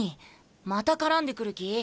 また絡んでくる気？